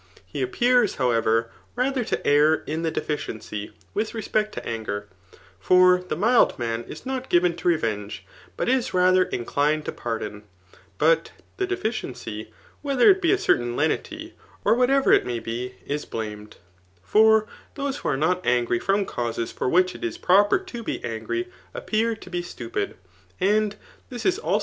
He appears, however, rather to err in the defki^cy witjh respect to anger ; for the mild man is not givai to j^ venge, but is rather inclined to pardiMi. But the defir dency, whether it be a certain ki^i or whatever it may be, is blamed Foir thoee whoiore met angry from causes for which it is fMroper to be angi7» ^ffear to be stujndi apd ^ is 9)99 tjiecafte yrkb.